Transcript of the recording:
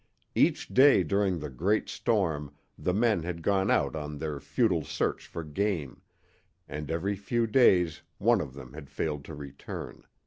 Each day during the great storm the men had gone out on their futile search for game, and every few days one of them had failed to return.